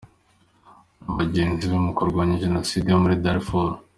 na bagenzi be mu kurwanya Genocide yo muri Darfur.